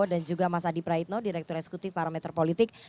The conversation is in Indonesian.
dan juga mas adi praitno direktur eksekutif parameter politik